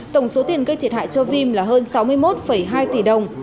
tổng số tiền gây thiệt hại cho vim là hơn sáu mươi một hai tỷ đồng